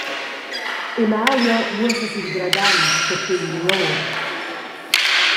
Emalio muossa sil dragant che tegn Lor.